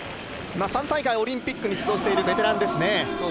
３大会オリンピックに出場しているベテランですね。